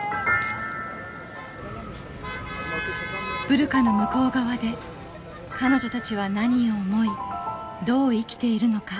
ブルカの向こう側で彼女たちは何を思いどう生きているのか。